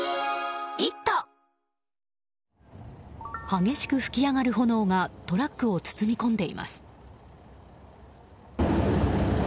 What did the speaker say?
激しく噴き上がる炎がトラックを包み込んでいます。